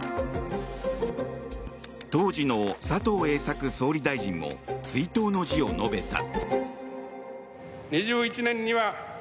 当時の佐藤栄作総理大臣も追悼の辞を述べた。